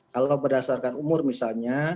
kalau berdasarkan umur misalnya